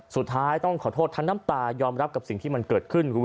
สุดท้ายต้องขอโทษทั้งน้ำตายอมรับกับสิ่งที่มันเกิดขึ้น